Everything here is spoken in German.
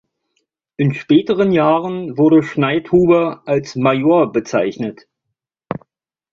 In späteren Jahren wurde Schneidhuber als „Major“ bezeichnet.